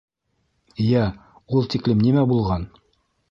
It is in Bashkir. — Йә, ул тиклем нимә булған?